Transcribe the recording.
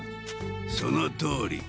そのとおり。